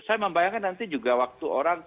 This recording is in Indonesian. saya membayangkan nanti juga waktu orang